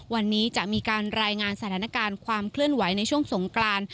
วันนี้จะมีการรายงานสถานการณ์ความเคลื่อนไหวในช่วงสงกราน